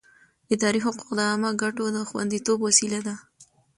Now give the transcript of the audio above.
اداري حقوق د عامه ګټو د خوندیتوب وسیله ده.